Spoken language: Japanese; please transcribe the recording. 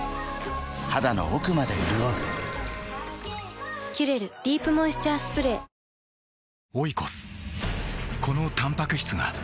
肌の奥まで潤う「キュレルディープモイスチャースプレー」海鮮丼マシマシで！